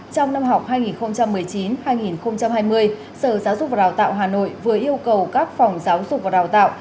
trong năm học hai nghìn một mươi chín hai nghìn hai mươi sở giáo dục và đào tạo hà nội vừa yêu cầu các phòng giáo dục và đào tạo